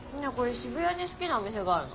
渋谷に好きなお店があるの。